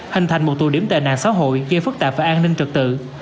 hình thành một tù điểm tệ nạn xã hội gây phức tạp và an ninh trật tự